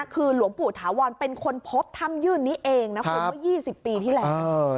คือหลวงปู่ถาวรเป็นคนพบถ้ำยื่นนี้เองนะคุณเมื่อ๒๐ปีที่แล้ว